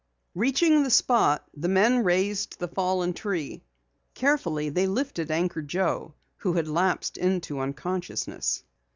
Reaching the spot, the men raised the fallen tree. Carefully they lifted Anchor Joe who had lapsed into unconsciousness.